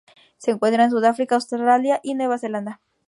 Se encuentran en Sudáfrica, Australia y Nueva Zelanda.